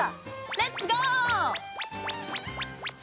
レッツゴー！